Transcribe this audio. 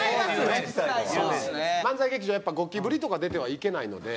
やっぱりゴキブリとか出てはいけないので。